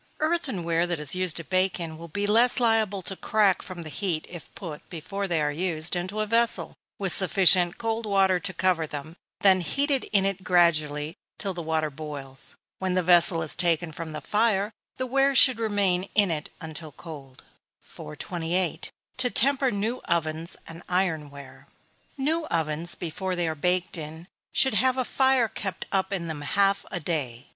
_ Earthen ware that is used to bake in, will be less liable to crack from the heat if put, before they are used, into a vessel, with sufficient cold water to cover them, then heated in it gradually, till the water boils. When the vessel is taken from the fire, the ware should remain in until cold. 428. To temper New Ovens and Iron ware. New ovens, before they are baked in, should have a fire kept up in them half a day.